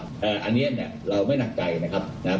อันนี้เราไม่หนักใจนะครับเพราะทุกอย่างมันจะทิ้งห้องรอยไว้หมดนะครับ